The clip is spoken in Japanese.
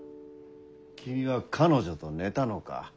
君は彼女と寝たのか？